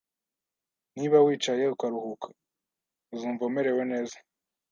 Niba wicaye ukaruhuka, uzumva umerewe neza